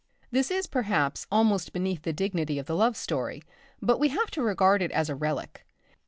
This is, perhaps, almost beneath the dignity of the love story, but we have to regard it as a relic.